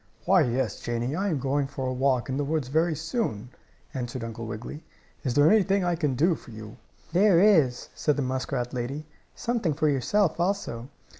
"Why, yes, Janie, I am going for a walk in the woods very soon," answered Uncle Wiggily. "Is there anything I can do for you?" "There is," said the muskrat lady. "Something for yourself, also."